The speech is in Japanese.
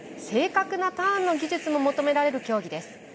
正確なターンの技術も求められる競技です。